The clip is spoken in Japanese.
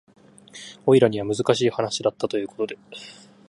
オイラには難しい話だったということで